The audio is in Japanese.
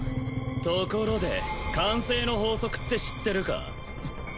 ところで慣性の法則って知ってるか？